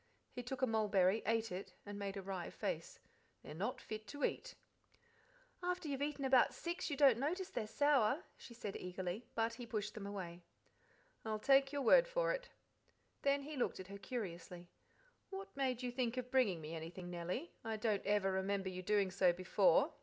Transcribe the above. He took a mulberry, ate it, and made a wry face. "They're not fit to eat." "After you've eaten about six you don't notice they're sour," she said eagerly. But he pushed them away. "I'll take your word for it." Then he looked at her curiously. "What made you think of bringing me anything, Nellie? I don't ever remember you doing so before."